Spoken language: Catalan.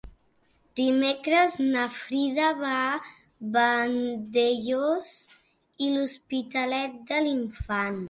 Dimecres na Frida va a Vandellòs i l'Hospitalet de l'Infant.